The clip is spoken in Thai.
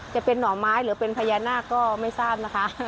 จะเป็นหน่อไม้หรือเป็นพญานาคก็ไม่ทราบนะคะ